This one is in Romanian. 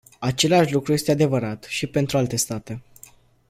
Același lucru este adevărat și pentru alte state.